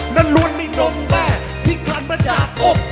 นั้นรวมต้นมแม่ที่กลัวมาจากอก